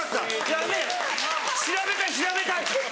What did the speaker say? ヤベェ調べたい調べたい！